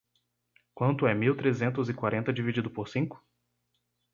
Quanto é mil trezentos e quarenta dividido por cinco?